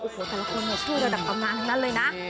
อุโหทุกคนหมดชื่อระดับตำนานทั้งนั้นเลยนะ